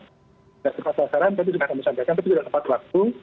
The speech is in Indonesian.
tidak tepat sasaran tapi tidak tepat waktu